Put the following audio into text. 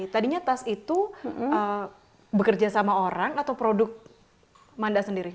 tadinya tas itu bekerja sama orang atau produk manda sendiri